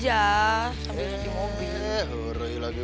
eh hurahi lagi